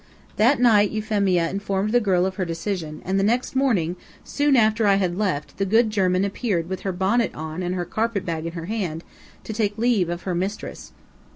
That night Euphemia informed the girl of her decision, and the next morning, soon after I had left, the good German appeared with her bonnet on and her carpet bag in her hand, to take leave of her mistress.